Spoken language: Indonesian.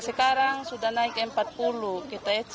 sekarang sudah naik rp empat puluh kita ece